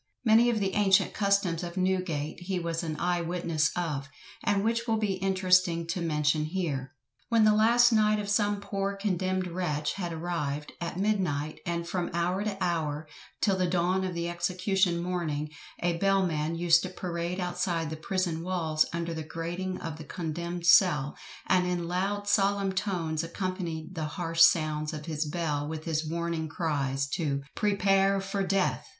Many of the ancient customs of Newgate he was an eye witness of, and which will be interesting to mention here. When the last night of some poor condemned wretch had arrived, at midnight, and from hour to hour, till the dawn of the execution morning, a bell man used to parade outside the prison walls under the grating of the condemned cell, and in loud solemn tones accompanied the harsh sounds of his bell with his warning cries, to "prepare for death."